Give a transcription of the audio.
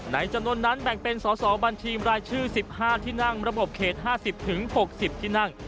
ในนั้นแบ่งเป็นสสกบีธีรายชื่อ๑๕ที่นั่งระบบเขต๕๐ถึง๖๐ที่นั่ง